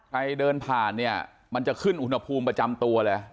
เดินผ่านเนี่ยมันจะขึ้นอุณหภูมิประจำตัวเลย